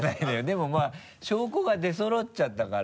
でもまぁ証拠が出そろっちゃったから。